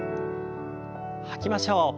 吐きましょう。